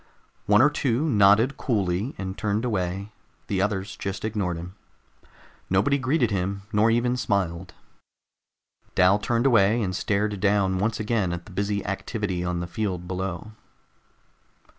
One or two nodded coolly and turned away; the others just ignored him. Nobody greeted him, nor even smiled. Dal turned away and stared down once again at the busy activity on the field below.